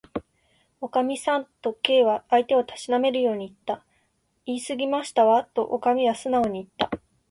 「おかみさん」と、Ｋ は相手をたしなめるようにいった。「いいすぎましたわ」と、おかみはすなおにいった。